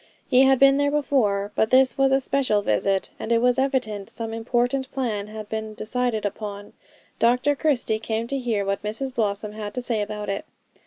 He had been there before, but this was a special visit; and it was evident some important plan had to be decided upon. Dr Christie came to hear what Mrs Blossom had to say about it.